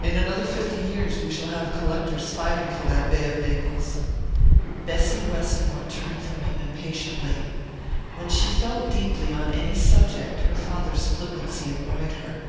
In another fifty years we shall have collectors fighting for that Bay of Naples." Bessy Westmore turned from him impatiently. When she felt deeply on any subject her father's flippancy annoyed her.